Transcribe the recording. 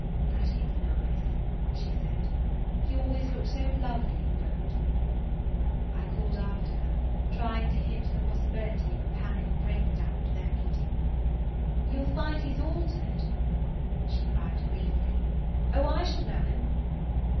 "That is nice," she said. "He always looks so lovely in a boat." I called after her, trying to hint the possibility of a panic breakdown to their meeting: "You 'll find he 's altered–" She cried gleefully: "Oh, I shall know him."